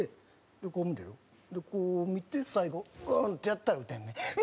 でこう見て最後ブンってやったら打てるねん。